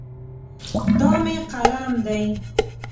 دا مې قلم دی.